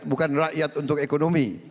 bukan rakyat untuk ekonomi